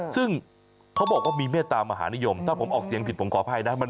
ซึ่งเขาบอกว่ามีเมตตามหานิยมถ้าผมออกเสียงผิดผมขออภัยนะ